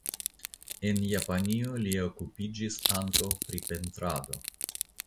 En Japanio li okupiĝis ankaŭ pri pentrado.